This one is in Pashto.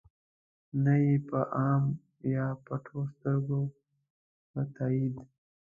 نه ېې په عام یا پټو سترګو په تایید.